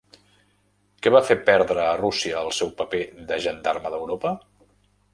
Què va fer perdre a Rússia el seu paper de gendarme d'Europa?